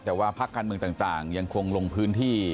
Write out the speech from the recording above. แต่ว่าพักการเมืองต่างยังคงลงพื้นที่